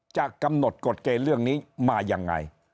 จะกำหนดกฎเกณฑ์เรื่องนี้มายังไง